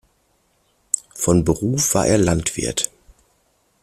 Von Beruf war er Landwirt.